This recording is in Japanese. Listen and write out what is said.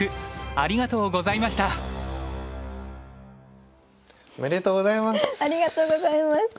ありがとうございます！